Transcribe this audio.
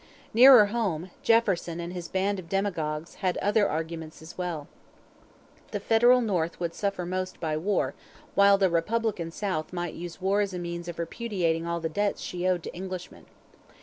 Nearer home Jefferson and his band of demagogues had other arguments as well. The Federal North would suffer most by war, while the Republican South might use war as a means of repudiating all the debts she owed to Englishmen.